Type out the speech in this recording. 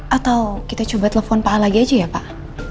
atau kita coba telepon pak a lagi aja ya pak